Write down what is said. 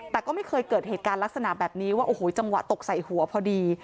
แต่ก็ไม่เคยเกิดเหตุการณ์ลักษณะแบบนี้ว่าโอ้โหจังหวะตกใส่หัวพอดี